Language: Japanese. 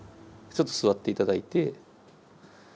ちょっと座っていただいて。